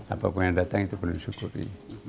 apapun yang datang itu perlu bersyukuri